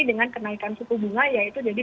dengan kenaikan suku bunga ya itu jadi